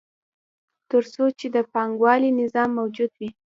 تر څو چې د پانګوالي نظام موجود وي